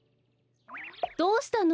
どうしたの？